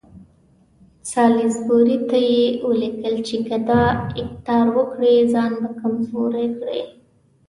سالیزبوري ته یې ولیکل چې که دا ابتکار وکړي ځان به کمزوری کړي.